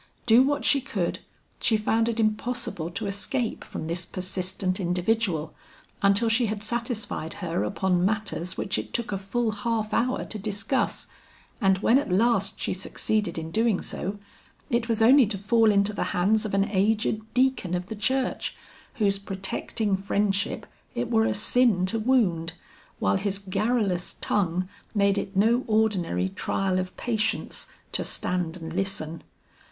Do what she could, she found it impossible to escape from this persistent individual until she had satisfied her upon matters which it took a full half hour to discuss, and when at last she succeeded in doing so, it was only to fall into the hands of an aged deacon of the church, whose protecting friendship it were a sin to wound, while his garrulous tongue made it no ordinary trial of patience to stand and listen.